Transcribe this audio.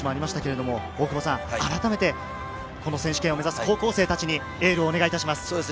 あらためてこの選手権を目指す高校生たちにエールをお願いします。